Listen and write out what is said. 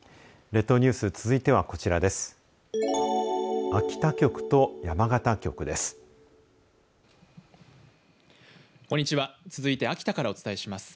列島ニュース、続いてはこちらです。